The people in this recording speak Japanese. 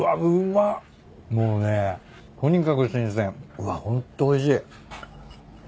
うわホントおいしい。